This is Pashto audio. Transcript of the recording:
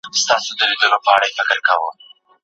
شاګرد د خپلو ملګرو سره ګډ کار کوي.